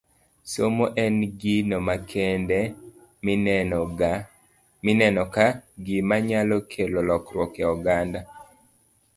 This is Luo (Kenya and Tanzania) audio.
Somo en gino makende mineno ka gima nyalo kelo lokruok ne oganda